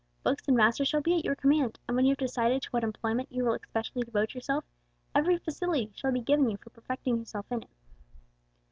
Books and masters shall be at your command, and when you have decided to what employment you will especially devote yourself, every facility shall be given you for perfecting yourself in it."